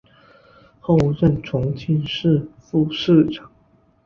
后任重庆市副市长。